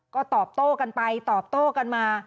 ก็ตอบโต้กันไปตอบโต้กันมา